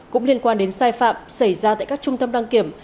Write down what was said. cũng liên quan đến sai phạm xảy ra tại các trung tâm đăng kiểm